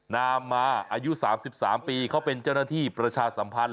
นามมาอายุ๓๓ปีเขาเป็นเจ้าหน้าที่ประชาสัมพันธ์